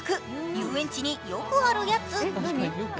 「遊園地によくあるヤツ」。